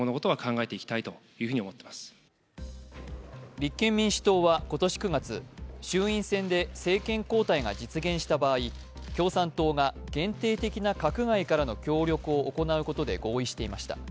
立憲民主党は今年９月衆院選で政権交代が実現した場合、共産党が限定的な閣外からの協力を行うことで合意していました。